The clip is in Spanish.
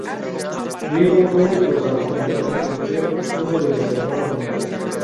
Rigo fue uno de los afortunados por ser uno de los hermanos menores.